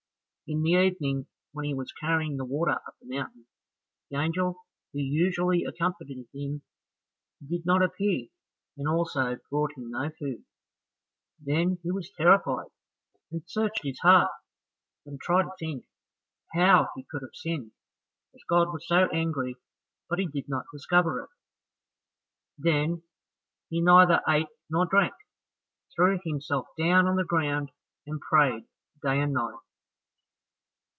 In the evening, when he was carrying the water up the mountain, the angel who usually accompanied him did not appear, and also brought him no food. Then he was terrified, and searched his heart, and tried to think how he could have sinned, as God was so angry, but he did not discover it. Then he neither ate nor drank, threw himself down on the ground, and prayed day and night.